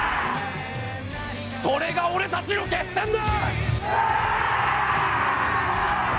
それが俺たちの決戦だ！